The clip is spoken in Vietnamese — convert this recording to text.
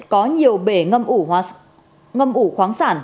có nhiều bể ngâm ủ khoáng sản